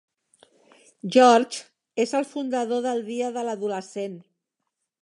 George és el fundador del dia de l'adolescent.